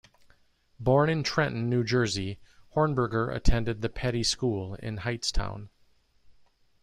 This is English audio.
Born in Trenton, New Jersey, Hornberger attended the Peddie School in Hightstown.